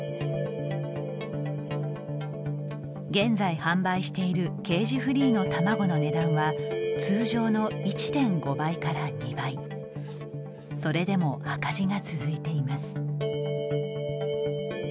現在販売しているケージフリーの卵の値段はそれでも赤字が続いています。